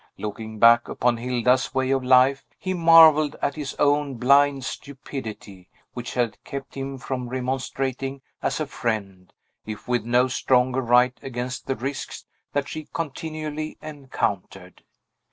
Looking back upon Hilda's way of life, he marvelled at his own blind stupidity, which had kept him from remonstrating as a friend, if with no stronger right against the risks that she continually encountered.